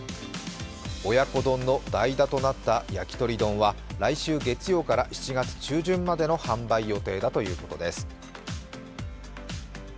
親子丼の代打となった焼き鳥丼は来週月曜から７月中旬までの販売予定だということです。